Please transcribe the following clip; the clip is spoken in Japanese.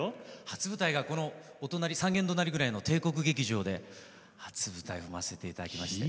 初舞台がこのお隣３軒隣ぐらいの帝国劇場で初舞台を踏ませていただきました。